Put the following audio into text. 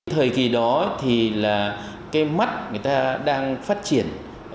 thời kỳ đó thì là cái mắt người ta đang phát triển